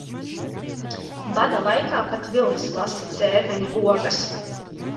Bada laikā pat vilks lasa dzērveņu ogas.